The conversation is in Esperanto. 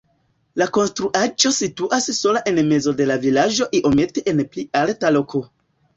La konstruaĵo situas sola en mezo de la vilaĝo iomete en pli alta loko.